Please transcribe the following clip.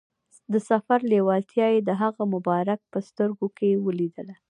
د سفر لیوالتیا یې د هغه مبارک په سترګو کې ولیدله.